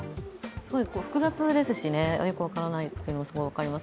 複雑ですしねよく分からないっていうのもすごく分かります。